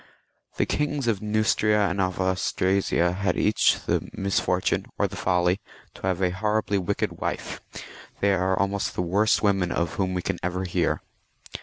The kings of Neustria and of Austrasia had each the misfortune, or the folly, to , have a horribly wicked wife ; they are almost the worst women of whom we ever hear.